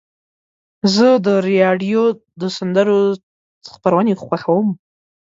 زه د راډیو د سندرو خپرونې خوښوم.